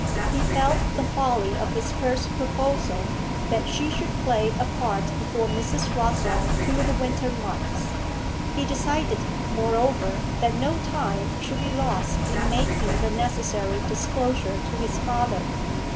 He felt the folly of his first proposal, that she should play a part before Mrs. Rossall through the winter months. He decided, moreover, that no time should be lost in making the necessary disclosure to his father.